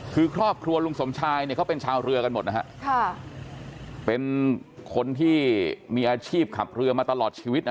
คือครอบครัวลุงสมชายเนี่ยเขาเป็นชาวเรือกันหมดนะฮะค่ะเป็นคนที่มีอาชีพขับเรือมาตลอดชีวิตนะ